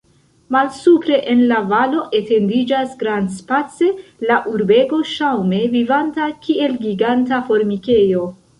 Malsupre, en la valo, etendiĝas grandspace la urbego, ŝaŭme vivanta, kiel giganta formikejo.